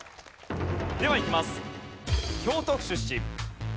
ではいきます。